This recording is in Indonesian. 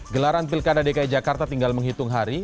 gelaran pilkada dki jakarta tinggal menghitung hari